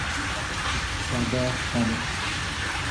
استفاده ښه ده.